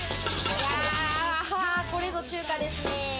これぞ中華ですね。